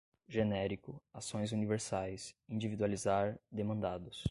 genérico, ações universais, individualizar, demandados